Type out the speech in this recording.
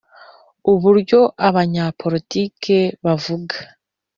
uburyo abanyapolitike bavuga